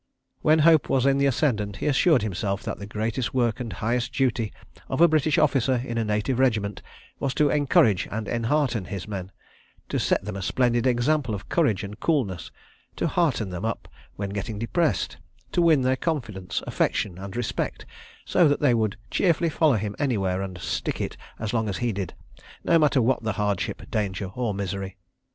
When Hope was in the ascendant, he assured himself that the greatest work and highest duty of a British officer in a Native regiment was to encourage and enhearten his men; to set them a splendid example of courage and coolness; to hearten them up when getting depressed; to win their confidence, affection and respect, so that they would cheerfully follow him anywhere and "stick it" as long as he did, no matter what the hardship, danger, or misery.